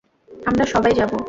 আমরা সবাই যাব।